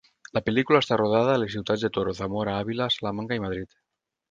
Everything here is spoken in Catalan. La pel·lícula està rodada a les ciutats de Toro, Zamora, Àvila, Salamanca i Madrid.